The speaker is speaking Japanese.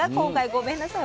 ごめんなさい